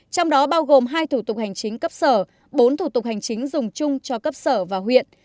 trong đó bao gồm hai thủ tục hành chính cấp sở bốn thủ tục hành chính dùng chung cho cấp sở và huyện